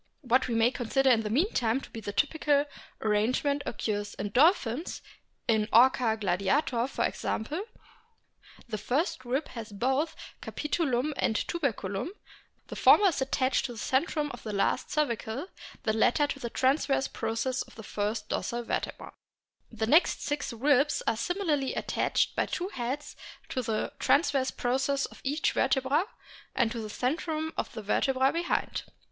What we may consider in the meantime to be the typical arrangement occurs in Dolphins ; in Orca gladiator, for example, the first rib has both capitulum and tuberculum ; the former is attached to the centrum of the last cervical, the latter to the transverse process of the first dorsal vertebra. The next six ribs are similarly attached by two heads to the transverse process of each vertebra and to the centrum of the vertebra behind.